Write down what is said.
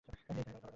হেই, তাকে ধর!